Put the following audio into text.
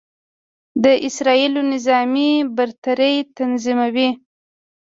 د اسرائیلو نظامي برتري تضیمنوي.